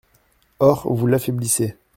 Or, vous l’affaiblissez.